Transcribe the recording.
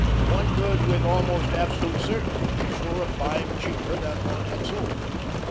One could with almost absolute certainty be sure of buying cheaper than one had sold.